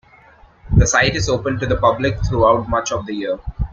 The site is open to the public throughout much of the year.